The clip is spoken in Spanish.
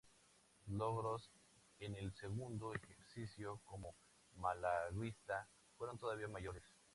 Sus logros en el segundo ejercicio como malaguista fueron todavía mayores.